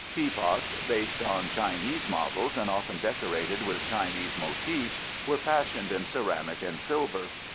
Teapots based on Chinese models and often decorated with Chinese motifs were fashioned in ceramic and silver.